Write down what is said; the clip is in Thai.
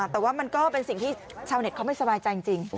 แต่ว่ามันก็เป็นสิ่งที่ชาวเน็ตเขาไม่สบายใจจริง